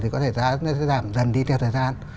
thì có thể giá nó sẽ giảm dần đi theo thời gian